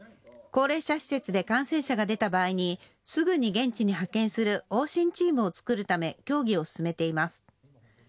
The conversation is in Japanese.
高齢者施設で感染者が出た場合にすぐに現地に派遣する往診チームを作るため協議を進めています。